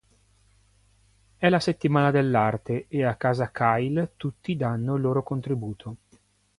È la settimana dell'arte e a casa Kyle tutti danno il loro contributo.